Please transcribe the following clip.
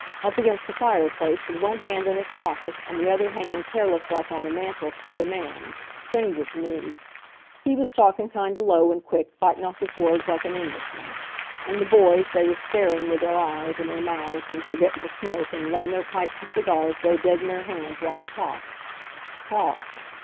Up against the fireplace, with one hand in his pocket, and the other hanging careless like on the mantel, stood a man stranger t' me. He was talkin' kind of low, and quick, bitin' off his words like a Englishman. An' the boys, they was starin' with their eyes, an' their mouths, and forgettin' t' smoke, an' lettin' their pipes an' cigars go dead in their hands, while he talked. Talk!